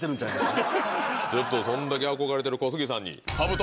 そんだけ憧れてる小杉さんに。